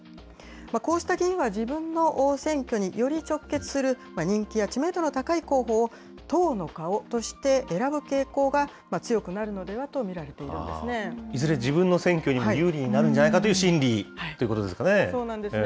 こうした議員は、自分の選挙により直結する人気や知名度の高い候補を、党の顔として選ぶ傾向が強くなるのではと見られているんでいずれ、自分の選挙にも有利になるんじゃないかという心理ということですかね。